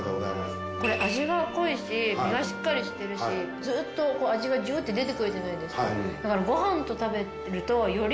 これ味が濃いし身がしっかりしてるしずっと味がジューって出てくるじゃないですか？